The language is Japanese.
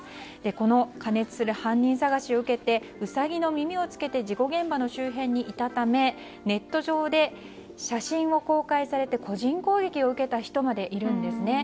この過熱する犯人捜しを受けてウサギの耳を着けて事故現場の周辺にいたためネット上で写真を公開されて個人攻撃を受けた人までいるんですね。